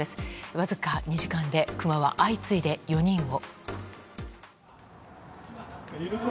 わずか２時間でクマは相次いで４人を。